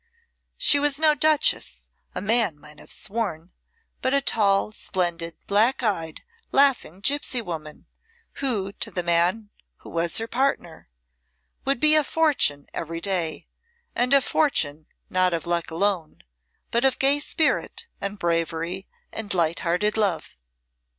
She was no Duchess, a man might have sworn, but a tall, splendid, black eyed laughing gipsy woman, who, to the man who was her partner, would be a fortune every day, and a fortune not of luck alone, but of gay spirit and bravery and light hearted love.